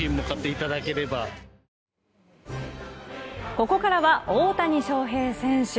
ここからは大谷翔平選手。